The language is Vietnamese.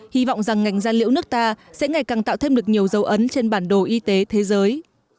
hy vọng rằng ngành da liễu nước ta sẽ ngày càng tạo thêm được nhiều dấu ấn trên bản đồ y tế thế giới